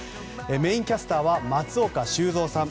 メインキャスターは松岡修造さん。